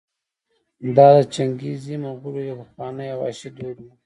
دا د چنګېزي مغولو یو پخوانی او وحشي دود و.